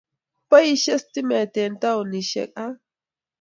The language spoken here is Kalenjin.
Boishei stimet eng taonishek ak